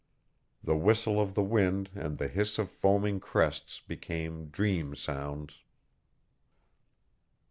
The whistle of the wind and the hiss of foaming crests became dream sounds.